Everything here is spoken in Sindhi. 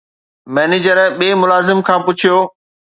مئنيجر ٻئي ملازم کان پڇيو